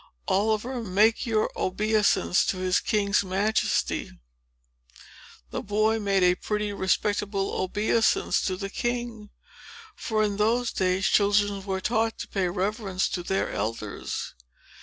"Oliver, make your obeisance to the king's Majesty!" The boy made a pretty respectful obeisance to the king; for, in those days, children were taught to pay reverence to their elders.